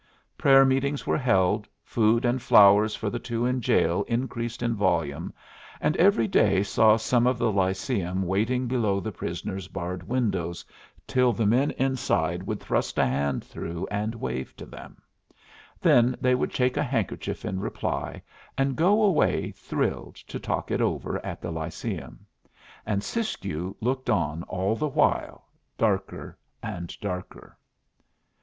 Prayer meetings were held, food and flowers for the two in jail increased in volume, and every day saw some of the Lyceum waiting below the prisoners' barred windows till the men inside would thrust a hand through and wave to them; then they would shake a handkerchief in reply, and go away thrilled to talk it over at the Lyceum. And Siskiyou looked on all the while, darker and darker.